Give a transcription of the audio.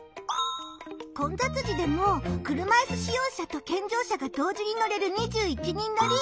「混雑時でも車イス使用者と健常者が同時にのれる２１人のり」。